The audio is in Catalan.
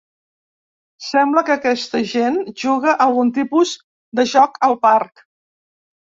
Sembla que aquesta gent juga a algun tipus de joc al parc.